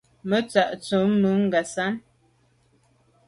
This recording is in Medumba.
Me tsha’t’o me Ngasam.